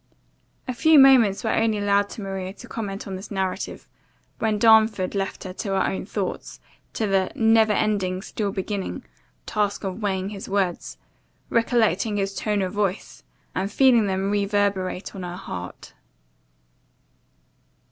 * A few moments were only allowed to Maria to comment on this narrative, when Darnford left her to her own thoughts, to the "never ending, still beginning," task of weighing his words, recollecting his tones of voice, and feeling them reverberate on her heart.